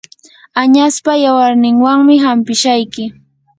añaspa yawarninwanmi hanpishayki.